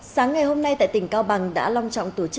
sáng ngày hôm nay tại tỉnh cao bằng đã long trọng tổ chức